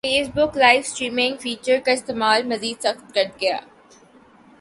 face بک live streaming feature کا استعمال مزید سخت کریگا